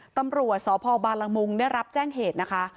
ตำรวจสพบาลมุงได้รับแจ้งเหตุนะคะ